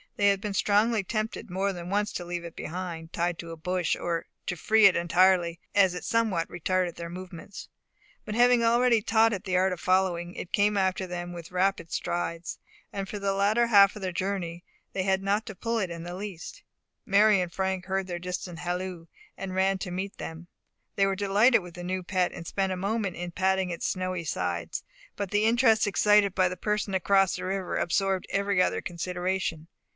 They had been strongly tempted more than once to leave it behind, tied to a bush, or to free it entirely, as it somewhat retarded their movements; but having already taught it the art of following, it came after them with rapid strides, and for the latter half of their journey they had not to pull it in the least. Mary and Frank heard their distant halloo, and ran to meet them. They were delighted with the new pet, and spent a moment in patting its snowy sides; but the interest excited by the person across the river absorbed every other consideration.